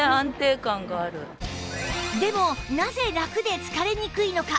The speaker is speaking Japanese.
でもなぜラクで疲れにくいのか？